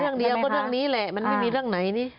เรื่องเดียวก็เรื่องนี้แหละมันไม่มีเรื่องไหนนี่